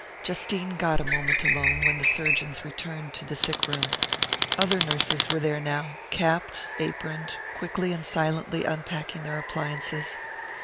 Justine got a moment alone when the surgeons returned to the sick room. Other nurses were there now, capped, aproned, quickly and silently unpacking their appliances....